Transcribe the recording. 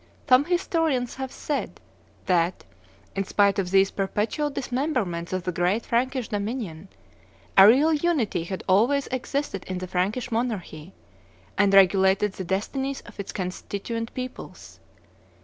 Some historians have said that, in spite of these perpetual dismemberments of the great Frankish dominion, a real unity had always existed in the Frankish monarchy, and regulated the destinies of its constituent peoples.